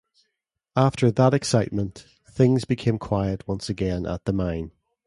After that excitement, things became quiet once again at the mine.